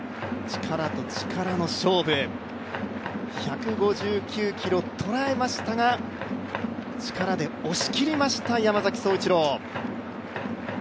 力と力の勝負、１５９キロ、捉えましたが力で押し切りました山崎颯一郎。